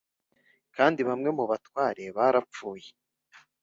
Kandi bamwe mu batware barapfuye